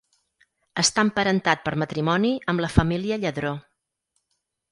Està emparentat per matrimoni amb la família Lladró.